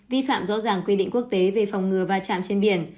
vi phạm rõ ràng quy định quốc tế về phòng ngừa và chạm trên biển